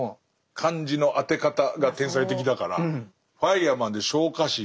漢字の当て方が天才的だからファイアマンで「昇火士」。